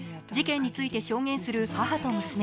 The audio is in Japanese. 事件について証言する母と娘。